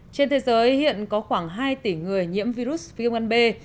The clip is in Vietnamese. trên thế giới hiện có khoảng hai tỷ người nhiễm virus viêm gan b